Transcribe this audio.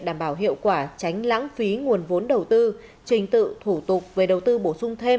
đảm bảo hiệu quả tránh lãng phí nguồn vốn đầu tư trình tự thủ tục về đầu tư bổ sung thêm